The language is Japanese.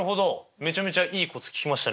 めちゃめちゃいいコツ聞きましたね。